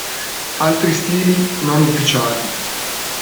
Altri stili, non ufficiali.